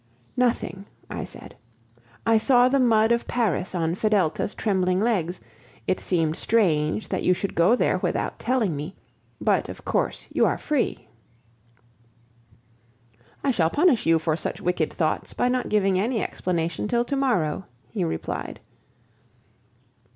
"Nothing," I said; "I saw the mud of Paris on Fedelta's trembling legs; it seemed strange that you should go there without telling me; but, of course, you are free." "I shall punish you for such wicked thoughts by not giving any explanation till to morrow," he replied.